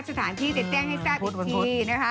สถานที่จะแจ้งให้ทราบอีกทีนะคะ